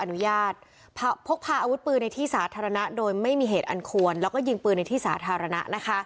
ในสัมพันธ์โดนไป๔ข้อหา